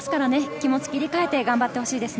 気持ちを切り替えて頑張ってほしいです。